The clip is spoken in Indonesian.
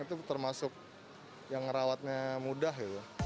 itu termasuk yang merawatnya mudah